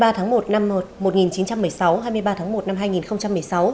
hai mươi tháng một năm một nghìn chín trăm một mươi sáu hai mươi ba tháng một năm hai nghìn một mươi sáu